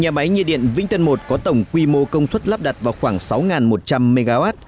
nhà máy nhiệt điện vĩnh tân một có tổng quy mô công suất lắp đặt vào khoảng sáu một trăm linh mw